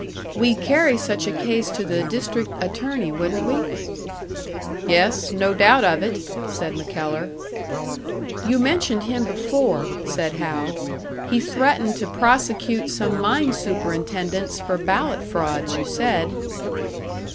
We'd carry such a case to the District Attorney, wouldn't we?" "Yes, no doubt of it," said MacKellar. "You mentioned him before," said Hal. "He threatened to prosecute some mine superintendents for ballot frauds, you said."